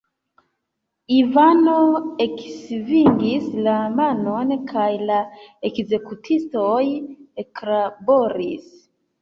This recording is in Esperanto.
Ivano eksvingis la manon, kaj la ekzekutistoj eklaboris.